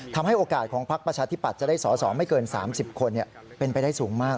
ทำให้โอกาสของพักประชาธิปัตย์จะได้สอสอไม่เกิน๓๐คนเป็นไปได้สูงมาก